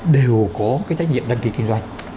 đều có cái trách nhiệm đăng ký kinh doanh